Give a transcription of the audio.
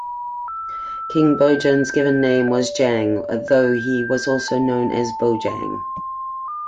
King Bojang's given name was Jang, though he was also known as Bojang.